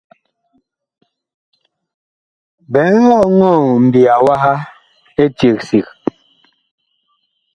Biig ɔŋɔɔ mbiya waha eceg sig.